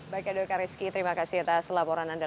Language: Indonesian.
baik edo kariski terima kasih atas laporan anda